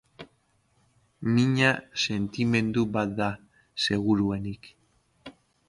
Mina sentimendu bat da, seguruenik.